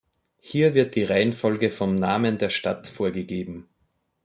Hier wird die Reihenfolge vom Namen der Stadt vorgegeben.